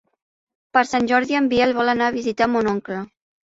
Per Sant Jordi en Biel vol anar a visitar mon oncle.